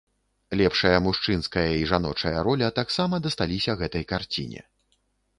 Лепшая мужчынская і жаночая роля таксама дасталіся гэтай карціне.